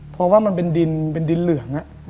เพราะว่ามันเป็นดินเหลืองอะ